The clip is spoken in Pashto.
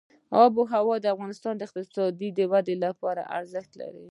آب وهوا د افغانستان د اقتصادي ودې لپاره ارزښت لري.